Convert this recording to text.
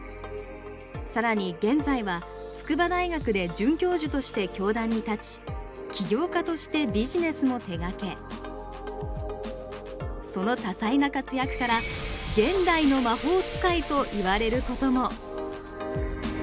更に現在は筑波大学で准教授として教壇に立ち起業家としてビジネスも手がけその多才な活躍から現代の魔法使いと言われることも。